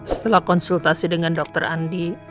setelah konsultasi dengan dokter andi